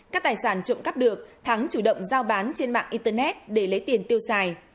các tài sản trộm cắp được thắng chủ động giao bán trên mạng internet để lấy tiền tiêu xài